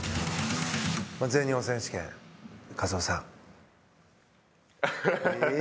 全日本選手権、カツオさん。